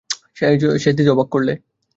সেজদিদি অবাক করলে!